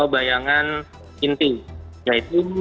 bayangan inti yaitu